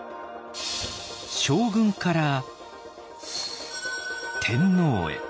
将軍から天皇へ。